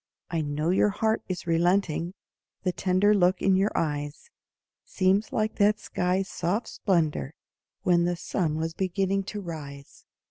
I know your heart is relenting, The tender look in your eyes Seems like that sky's soft splendor When the sun was beginning to rise.